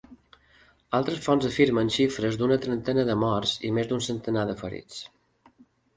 Altres fonts afirmen xifres d'una trentena de morts i més d'un centenar de ferits.